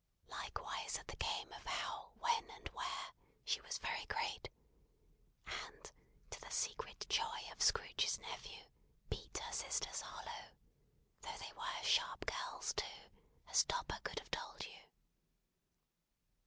Likewise at the game of How, When, and Where, she was very great, and to the secret joy of Scrooge's nephew, beat her sisters hollow: though they were sharp girls too, as Topper could have told you.